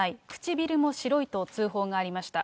唇も白いと通報がありました。